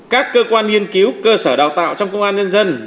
các cơ quan nghiên cứu cơ sở đào tạo trong công an nhân dân